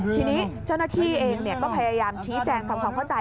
ทีนี้เจ้าหน้าที่เองก็พยายามชี้แจงทำความเข้าใจ